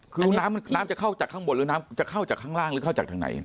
คือน้ำจะเข้าจากข้างบนหรือน้ำจะเข้าจากข้างล่างหรือเข้าจากทางไหน